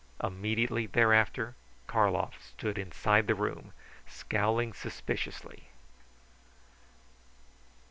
Immediately thereafter Karlov stood inside the room, scowling suspiciously.